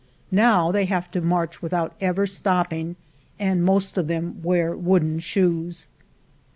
Now they have to march without ever stopping, and most of them wear wooden shoes.